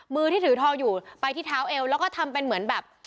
มือที่ถือทองอยู่ไปที่เท้าเอวแล้วก็ทำเป็นเหมือนแบบ